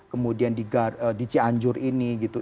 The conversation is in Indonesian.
kemudian di cianjur ini gitu